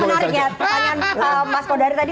pertanyaan mas kodari tadi